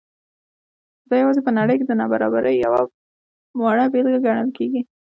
دا یوازې په نړۍ کې د نابرابرۍ یوه وړه بېلګه ګڼل کېږي.